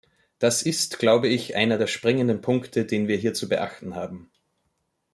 Das ist, glaube ich, einer der springenden Punkte, den wir hier zu beachten haben.